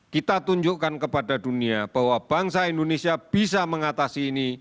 kita tunjukkan kepada dunia bahwa bangsa indonesia bisa mengatasi ini